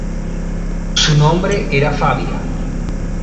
Su nombre era Fabia.